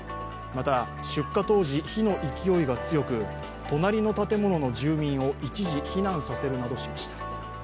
また、出火当時、火の勢いが強く、隣の建物の住民を一時、避難させるなどしました。